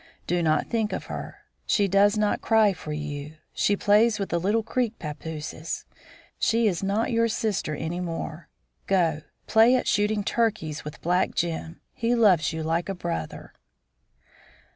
Do not think of her. She does not cry for you. She plays with little Creek pappooses. She is not your sister any more. Go, play at shooting turkeys with black Jim. He loves you like a brother."